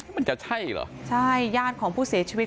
มันจะใช่เหรอใช่ญาติของผู้เสียชีวิต